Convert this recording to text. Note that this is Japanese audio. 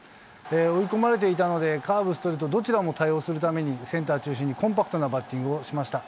追い込まれていたので、カーブ、ストレート、どちらもたいおうするためにセンター中心にコンパクトなバッティングをしました。